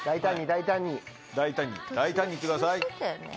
大胆に大胆に行ってください。